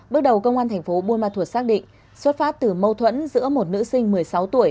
bước đầu công an thành phố buôn ma thuột xác định xuất phát từ mâu thuẫn giữa một nữ sinh một mươi sáu tuổi